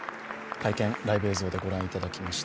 会見、ライブ映像でご覧いただきました。